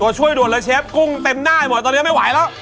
ช่วยด่วนแล้วเชฟกุ้งเต็มหน้าหมดตอนนี้ไม่ไหวแล้ว